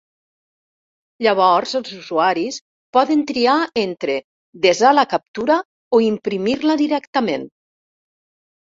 Llavors els usuaris poden triar entre desar la captura o imprimir-la directament.